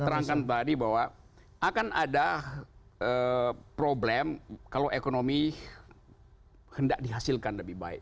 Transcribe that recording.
terangkan tadi bahwa akan ada problem kalau ekonomi hendak dihasilkan lebih baik